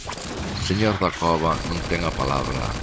Señor Dacova, non ten a palabra.